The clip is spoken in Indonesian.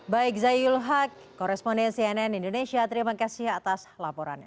baik zayul haq koresponden cnn indonesia terima kasih atas laporannya